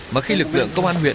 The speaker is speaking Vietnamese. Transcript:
mà khi lực lượng công an huyện